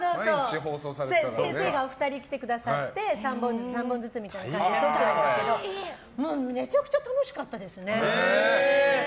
先生がお二人来てくださって３本ずつみたいな感じで撮ってたんだけどめちゃめちゃ楽しかったですね。